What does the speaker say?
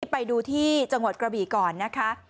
ไปดูที่จังหวัดกระบี่ก่อนนะคะ